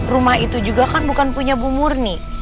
rumah itu juga kan bukan punya bu murni